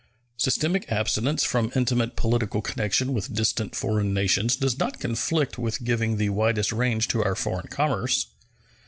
Systematic abstinence from intimate political connection with distant foreign nations does not conflict with giving the widest range to our foreign commerce.